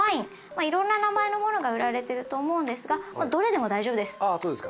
まあいろんな名前のものが売られてると思うんですがもうどれでも大丈夫です。